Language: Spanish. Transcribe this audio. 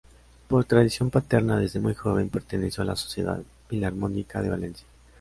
Por tradición paterna, desde muy joven perteneció a la Sociedad Filarmónica de Valencia.